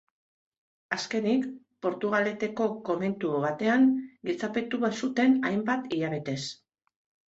Azkenik, Portugaleteko komentu batean giltzapetu zuten hainbat hilabetez.